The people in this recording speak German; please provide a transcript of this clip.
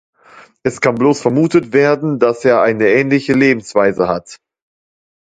Es kann bloß vermutet werden, dass er eine ähnliche Lebensweise hat.